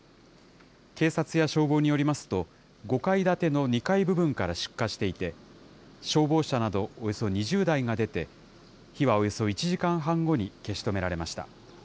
警察や消防によりますと、５階建ての２階部分から出火していて、消防車などおよそ２０台が出て、火はおよそ１時間半後に消し止められました。